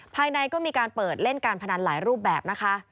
ภายในก็มีการเปิดเล่นการพนันหลายรูปแบบนะคะ